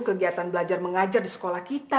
kegiatan belajar mengajar di sekolah kita